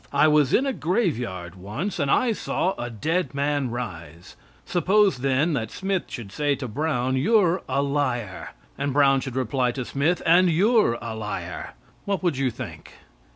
I was in a graveyard once, and I saw a dead man rise." Suppose then that Smith should say to Brown, "You're a liar," and Brown should reply to Smith, "And you're a liar," what would you think?